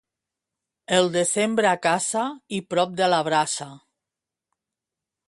El desembre a casa i prop de la brasa.